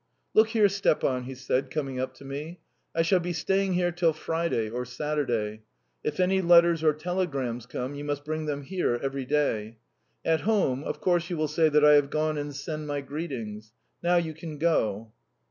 "Look here, Stepan," he said, coming up to me. "I shall be staying here till Friday or Saturday. If any letters or telegrams come, you must bring them here every day. At home, of course you will say that I have gone, and send my greetings. Now you can go."